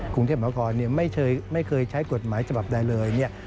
กรุงเทพวคไม่เคยใช้กฎหมายฉบับใดเลย